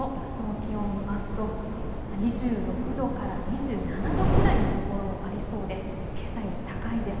気温を見ますと２６度から２７度くらいの所もありそうで、けさより高いです。